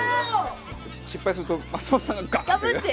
失敗すると、松本さんががぶって。